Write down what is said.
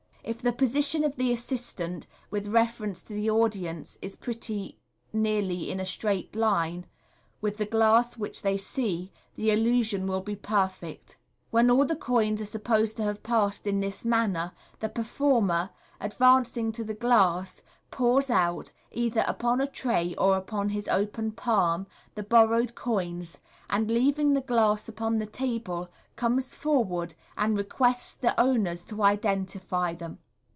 If the position of the assistant, with reference to the audience, is pretty nearly in a straight line with the glass which they see, the illusion will be perfect. When all the coins are supposed to have passed in this manner, the performer, advancing to the glass, pours out, either upon a tray or upon his open palm, the borrowed coins, and leaving the glass Upon the table, comes forward, and requests the owners to identify them.